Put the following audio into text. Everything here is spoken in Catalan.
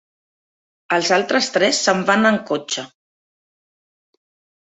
Els altres tres se'n van en cotxe.